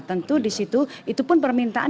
tentu di situ itu pun permintaan